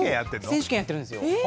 選手権やってるんですよ。